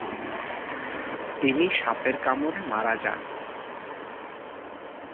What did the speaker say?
তাই তিনি সাপের কামড়ে মারা যান।